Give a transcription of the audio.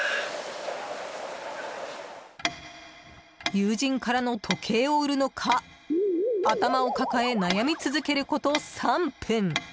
友人からの時計を売るのか頭を抱え悩み続けること３分。